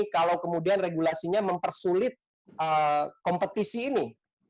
kalau kemudian regulasinya mempersulit kompetisi ini